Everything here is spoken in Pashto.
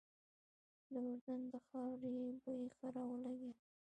د اردن د خاورې بوی ښه را ولګېده.